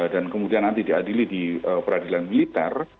dan kemudian nanti diadili di peradilan militer